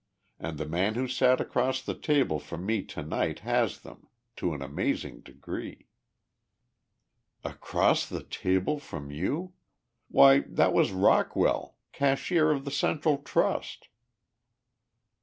And the man who sat across the table from me to night has them, to an amazing degree." "Across the table from you? Why that was Rockwell, cashier of the Central Trust!"